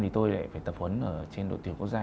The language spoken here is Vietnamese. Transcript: tôi lại phải tập huấn ở trên đội tuyển quốc gia